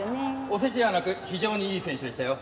お世辞じゃなく非常にいい選手でしたよ。